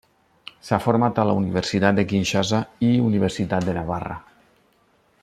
S'ha format a la Universitat de Kinshasa i Universitat de Navarra.